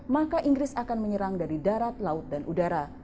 maka inggris akan menyerang dari darat laut dan udara